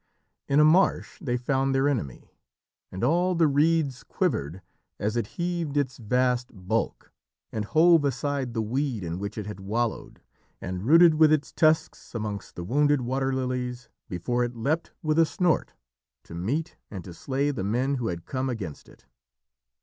In a marsh they found their enemy, and all the reeds quivered as it heaved its vast bulk and hove aside the weed in which it had wallowed, and rooted with its tusks amongst the wounded water lilies before it leapt with a snort to meet and to slay the men who had come against it.